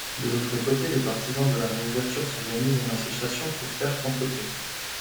De l'autre côté, les partisans de la réouverture s'organisent en association, pour faire contrepoids.